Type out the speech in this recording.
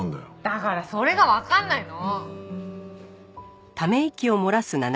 だからそれがわかんないの！